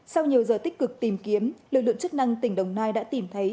sau nhiều giờ tích cực tìm kiếm lực lượng chức năng tỉnh đồng nai đã tìm thấy